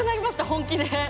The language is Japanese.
本気で。